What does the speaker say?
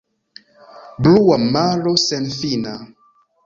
Blua maro senfina!